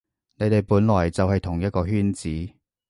你哋本來就喺同一個圈子